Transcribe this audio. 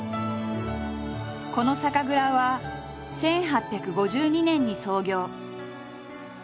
この酒蔵は１８５２年に創業。